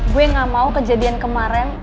gue gak mau kejadian kemarin